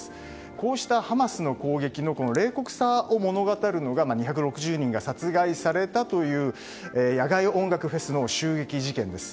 こうしたハマスの攻撃の冷酷さを物語るのが２６０人が殺害されたという野外音楽フェスの襲撃事件です。